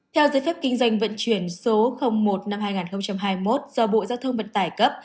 theo giới phép kinh doanh vận chuyển số một năm hai nghìn hai mươi một do bộ giao thông vận tải cấp